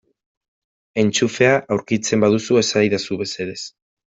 Entxufea aurkitzen baduzu esadazu mesedez.